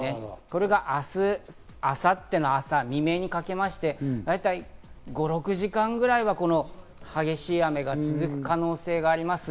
これが明日、明後日の朝未明にかけまして、大体５６時間ぐらいは激しい雨が続く可能性があります。